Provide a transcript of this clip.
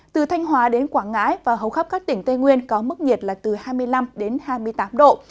từ thanh hóa đến quảng ngãi và hầu khắp các tỉnh tây nguyên có mức nhiệt là từ hai mươi năm hai mươi tám độ